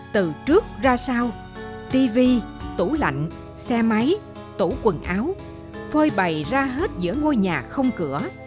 từ trước ra sao tv tủ lạnh xe máy tủ quần áo phơi bày ra hết giữa ngôi nhà không cửa